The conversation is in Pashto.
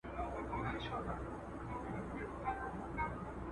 کړکۍ بې پردې نه پرېښودل کېږي.